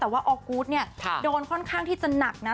แต่ว่าออกูธเนี่ยโดนค่อนข้างที่จะหนักนะ